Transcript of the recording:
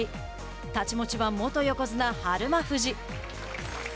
太刀持ちは元横綱・日馬富士。